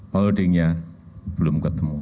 holdingnya belum ketemu